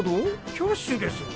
キャッシュレス？